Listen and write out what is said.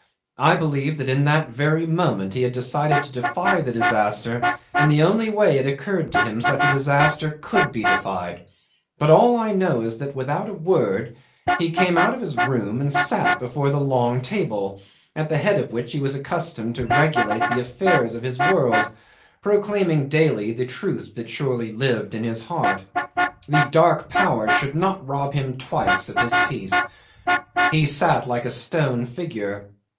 I believe that in that very moment he had decided to defy the disaster in the only way it occurred to him such a disaster could be defied; but all I know is that, without a word, he came out of his room and sat before the long table, at the head of which he was accustomed to regulate the affairs of his world, proclaiming daily the truth that surely lived in his heart. The dark powers should not rob him twice of his peace. He sat like a stone figure.